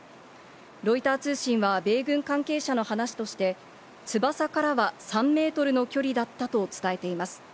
ロイター通信は米軍関係者の話として翼からは３メートルの距離だったと伝えています。